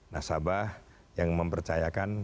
nasabah yang mempercayakan